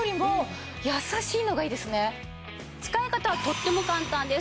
使い方はとっても簡単です。